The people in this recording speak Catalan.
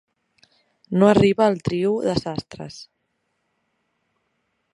No arriba al trio de sastres.